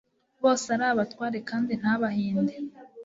bose ari abatware kandi nta bahinde